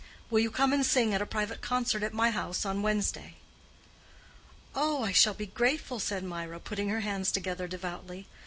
Will you come and sing at a private concert at my house on Wednesday?" "Oh, I shall be grateful," said Mirah, putting her hands together devoutly.